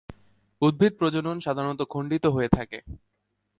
উদ্ভিদ প্রজনন সাধারণত খন্ডিত হয়ে হয়ে থাকে।